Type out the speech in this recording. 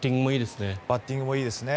バッティングもいいですね。